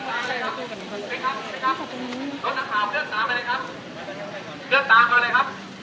เลือกต่างกันเลยครับ